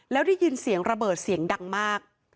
แล้วได้ยินเสียงระเบิดเสียงดังมาก